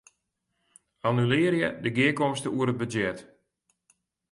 Annulearje de gearkomste oer it budzjet.